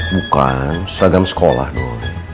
bukan seragam sekolah doi